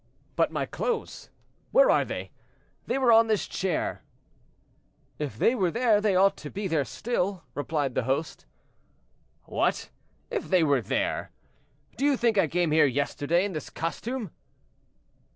"But my clothes! where are they? They were on this chair." "If they were there, they ought to be there still," replied the host. "What! 'if they were there.' Do you think I came here yesterday in this costume?"